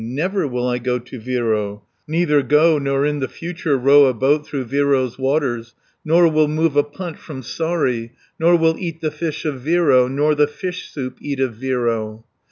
Never will I go to Viro, Neither go, nor in the future 50 Row a boat through Viro's waters, Nor will move a punt from Saari, Nor will eat the fish of Viro, Nor the fish soup eat of Viro.